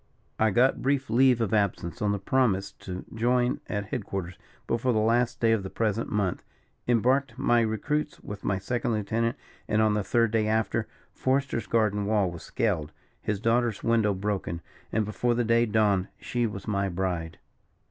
I got brief leave of absence on the promise to join at head quarters before the last day of the present month embarked my recruits with my second lieutenant; and on the third day after, Forester's garden wall was scaled, his daughter's window broken, and before the day dawned she was my bride.